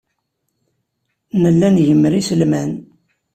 Nella ngemmer iselman.